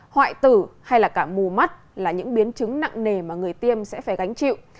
hoại tử hay là cả mù mắt là những biến chứng nặng nề mà người tiêm sẽ phải gánh chịu